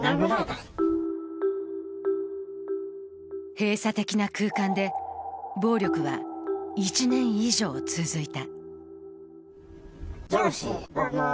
閉鎖的な空間で暴力は１年以上続いた。